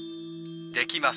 できます。